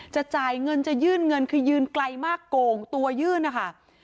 จะจ่ายเงินจะยื่นเงินคือยืนไกลมากโกงตัวยื่นนะคะ